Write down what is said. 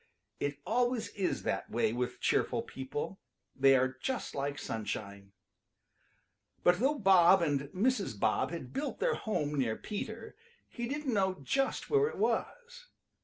It always is that way with cheerful people. They are just like sunshine. But though Bob and Mrs. Bob had built their home near Peter, he didn't know just where it was.